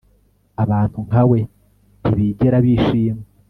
abantu nkawe ntibigera bishima